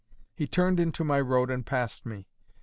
He turned into my road and passed me.